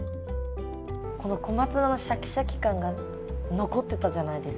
この小松菜のシャキシャキ感が残ってたじゃないですか。